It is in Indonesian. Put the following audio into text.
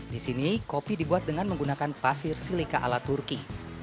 di sini kopi dibuat dengan menggunakan pasir silika ala turki